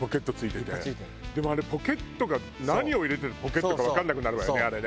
でもあれポケットが何を入れてるポケットかわかんなくなるわよねあれ。